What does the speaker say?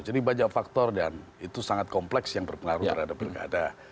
jadi banyak faktor dan itu sangat kompleks yang berpengaruh terhadap pilkada